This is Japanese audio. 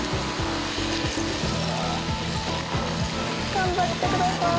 頑張ってください。